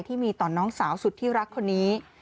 ที่มีต่อน้องสาวสุดที่รักคนนี้